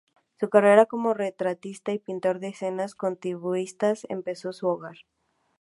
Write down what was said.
Su carrera como retratista y pintor de escenas costumbristas empezó en su hogar.